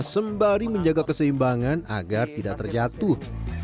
sembari menjaga keseimbangan agar tidak terjatuh